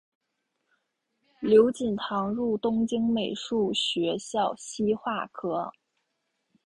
刘锦堂入东京美术学校西画科